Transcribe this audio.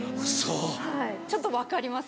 ちょっと分かります。